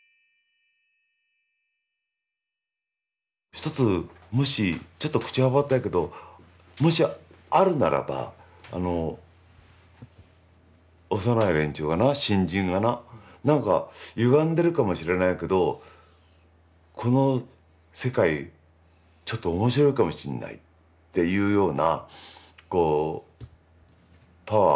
一つもしちょっと口はばったいけどもしあるならば幼い連中がな新人がな何かゆがんでるかもしれないけどこの世界ちょっと面白いかもしんないっていうようなこうパワーが出たらいいじゃん。